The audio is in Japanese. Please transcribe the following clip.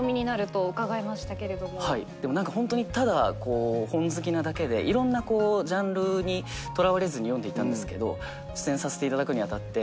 はいでも何かホントにただ本好きなだけでいろんなジャンルにとらわれずに読んでいたんですけど出演させていただくに当たって。